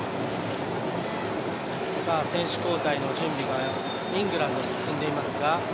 選手交代の準備がイングランド進んでいますが。